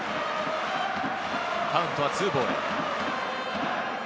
カウントは２ボール。